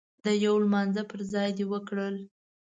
د يو لمانځه پر ځای دې وکړل.